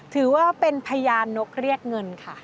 ถือว่าเป็นพญานกเรียกเงินค่ะ